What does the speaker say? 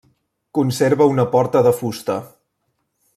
Conserva una porta de fusta.